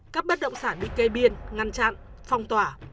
các bất động sản bị kê biên ngăn chặn phong tỏa